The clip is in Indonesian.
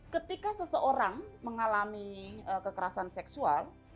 ketika seseorang mengalami kekerasan seksual